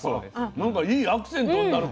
なんかいいアクセントになるかも。